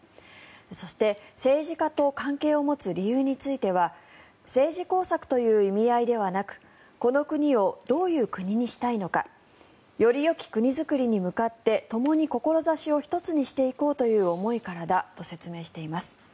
そして政治家と関係を持つ理由については政治工作という意味合いではなくこの国をどういう国にしたいのかよりよき国づくりに向かってともに志を一つにしていこうという思いからだと説明しています。